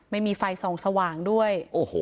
ไม่มีไฟส่องสว่างด้วย